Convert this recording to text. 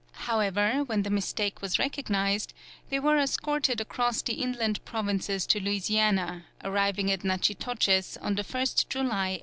However, when the mistake was recognized, they were escorted across the inland provinces to Louisiana, arriving at Natchitoches on the 1st July, 1807.